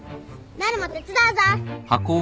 なるも手伝うぞ。